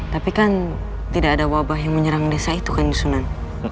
tapi kan tidak ada wabah yang menyerang desa itu kan sunan